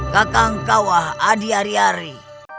kakang kawah adiariari